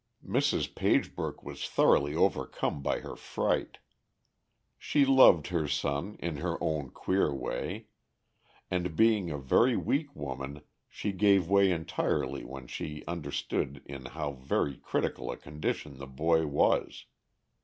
Mrs. Pagebrook was thoroughly overcome by her fright. She loved her son, in her own queer way; and being a very weak woman she gave way entirely when she understood in how very critical a condition the boy was.